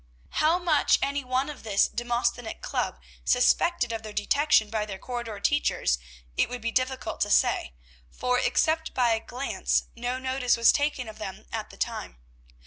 How much any one of this "Demosthenic Club" suspected of their detection by their corridor teachers it would be difficult to say, for, except by a glance, no notice was taken of them at the time.